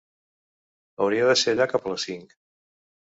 Hauria de ser allà cap a les cinc.